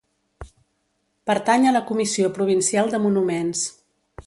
Pertany a la Comissió Provincial de Monuments.